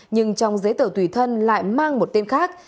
nhưng trong giấy tờ tùy thân lại mang một tên khác